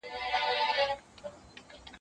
زه پرون سفر وکړ!؟